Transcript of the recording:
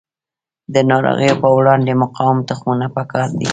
د ناروغیو په وړاندې مقاوم تخمونه پکار دي.